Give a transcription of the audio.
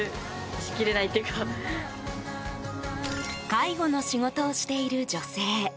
介護の仕事をしている女性。